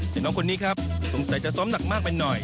แต่น้องคนนี้ครับสงสัยจะซ้อมหนักมากไปหน่อย